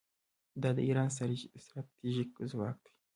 دا د ایران ستراتیژیک ځواک دی.